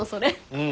うん。